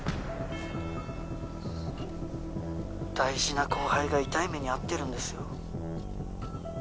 「大事な後輩が痛い目に遭ってるんですよ」